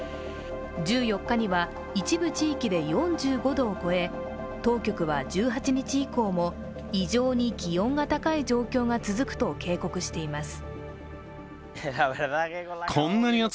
１４日には一部地域で４５度を超え、当局は１８日以降も異常に気温が高い状況が続くと警告しています。